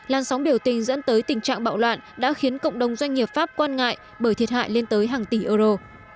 lan sóng biểu tình dẫn tới tình trạng bạo loạn đã khiến cộng đồng doanh nghiệp pháp quan ngại bởi thiệt hại lên tới hàng tỷ euro